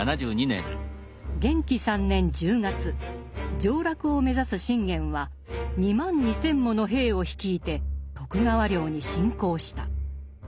元亀３年１０月上洛を目指す信玄は２万２，０００もの兵を率いて徳川領に侵攻した。